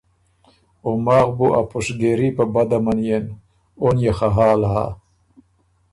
او ماخ بُو ا پُشګېري په بده منيېن اون يې خه حال هۀ۔